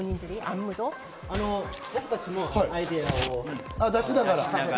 僕たちもアイデアを出しながら。